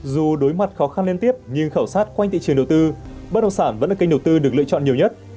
dù đối mặt khó khăn liên tiếp nhưng khảo sát quanh thị trường đầu tư bất động sản vẫn là kênh đầu tư được lựa chọn nhiều nhất